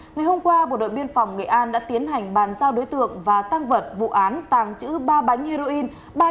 ngày hôm qua bộ đội biên phòng nghệ an đã tiến hành bàn giao đối tượng và tăng vật vụ án tàng trữ ba bánh heroin